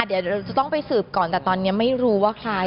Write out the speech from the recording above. เดี๋ยวเราจะต้องไปสืบก่อนแต่ตอนนี้ไม่รู้ว่าใคร